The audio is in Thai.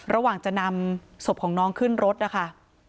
ระหว่างจะนำศพของน้องขึ้นรถนะคะ